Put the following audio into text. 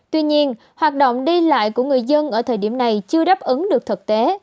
tuy nhiên hoạt động đi lại của người dân ở thời điểm này chưa đáp ứng được thực tế